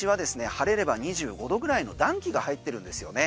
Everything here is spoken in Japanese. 晴れれば２５度ぐらいの暖気が入ってるんですよね。